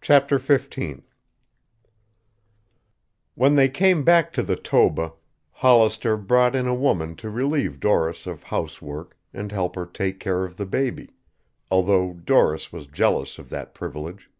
CHAPTER XV When they came back to the Toba, Hollister brought in a woman to relieve Doris of housework and help her take care of the baby, although Doris was jealous of that privilege.